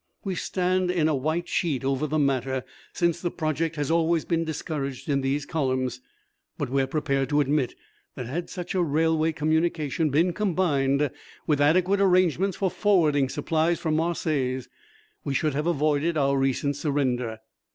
We stand in a white sheet over the matter, since the project has always been discouraged in these columns, but we are prepared to admit that had such railway communication been combined with adequate arrangements for forwarding supplies from Marseilles, we should have avoided our recent surrender.